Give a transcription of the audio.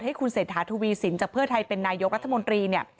ให้คุณเสธาทุวีศิลป์จากเพื่อไทยเป็นนายกรัฐมนตรี